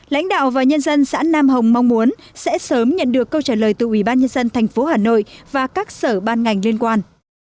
lãnh đạo và nhân dân xã nam hồng mong muốn sẽ sớm nhận được câu trả lời từ ủy ban nhân dân thành phố hà nội và các sở ban ngành liên quan